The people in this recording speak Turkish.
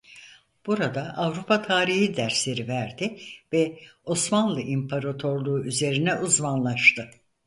Burada Avrupa tarihi dersleri verdi ve Osmanlı İmparatorluğu üzerine uzmanlaştı.